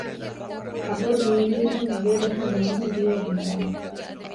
ޚަބަރު ވީވީހެން އެގޭ ދޮށަށް މީހުން ދިޔައީ ގިނަވަމުން